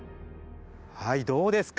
はいどうですか。